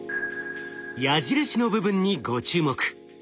矢印の部分にご注目。